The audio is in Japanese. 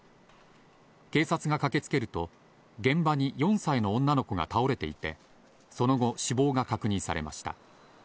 警察が駆けつけると、現場に４歳の女の子が倒れていて、その後、死亡が確認されました。